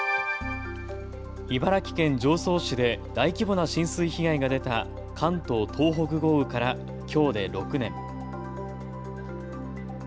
茨城県常総市で大規模な浸水被害が出た関東・東北豪雨からきょうで６年。